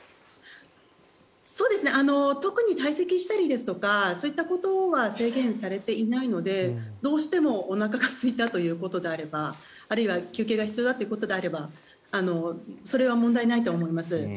特に退席したりですとかそういったことは制限されていないのでどうしてもおなかがすいたということであればあるいは休憩が必要だということであればそれは問題ないと思います。